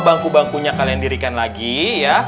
bangku bangkunya kalian dirikan lagi ya